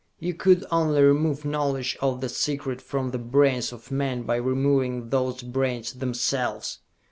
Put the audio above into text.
"You could only remove knowledge of the Secret from the brains of men by removing those brains themselves!